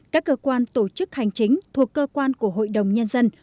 các cơ quan tổ chức hành chính thuộc cơ quan của hội đồng nhân dân